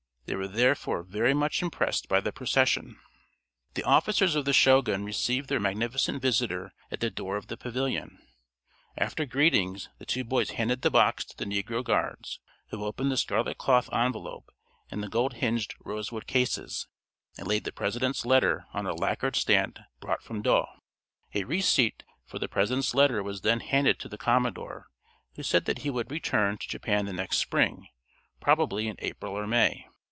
They were therefore very much impressed by the procession. The officers of the Shogun received their magnificent visitor at the door of the pavilion. After greetings the two boys handed the box to the negro guards, who opened the scarlet cloth envelope and the gold hinged rosewood cases, and laid the President's letter on a lacquered stand brought from Yedo. A receipt for the President's letter was then handed to the commodore, who said that he would return to Japan the next spring, probably in April or May.